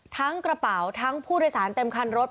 ทั้งกระเป๋าทั้งผู้โดยสารเต็มคันรถ